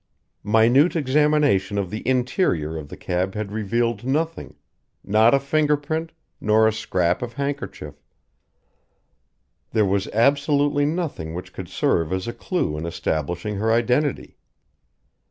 Minute examination of the interior of the cab had revealed nothing not a fingerprint, nor a scrap of handkerchief. There was absolutely nothing which could serve as a clue in establishing her identity.